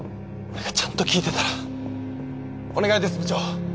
俺がちゃんと聞いてたらお願いです部長。